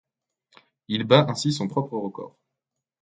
Il bat ainsi son propre record.